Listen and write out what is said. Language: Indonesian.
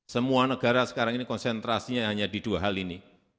semua negara sekarang ini konsentrasinya hanya di dua hal ini